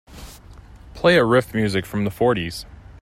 Play Arif music from the fourties.